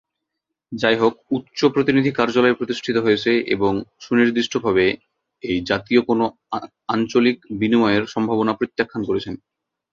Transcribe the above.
যাইহোক উচ্চ প্রতিনিধি কার্যালয় প্রতিষ্ঠিত হয়েছে এবং সুনির্দিষ্টভাবে এই জাতীয় কোনও আঞ্চলিক বিনিময়ের সম্ভাবনা প্রত্যাখ্যান করেছে।